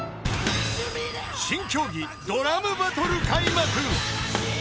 ［新競技ドラムバトル開幕］